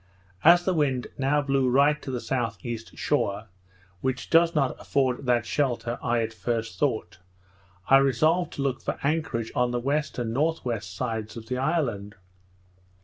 As the wind now blew right to the S.E. shore, which does not afford that shelter I at first thought, I resolved to look for anchorage on the west and N.W. sides of the island.